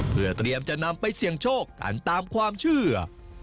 เพื่อเตรียมจะนำไปเสี่ยงโชคกันตามความเชื่อ